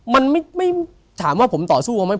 มันไม่ถามว่าผมต่อสู้เขาไหม